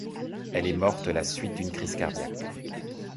Elle est morte le suite d'une crise cardiaque.